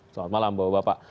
selamat malam bapak bapak